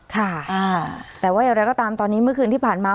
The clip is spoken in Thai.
ค่ะแต่ว่าอย่างไรก็ตามตอนนี้เมื่อคืนที่ผ่านมา